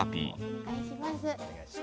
お願いします。